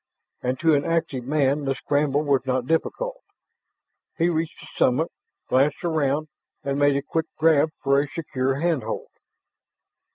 And to an active man the scramble was not difficult. He reached the summit, glanced around, and made a quick grab for a secure handhold.